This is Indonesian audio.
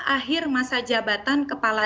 akhir masa jabatan kepala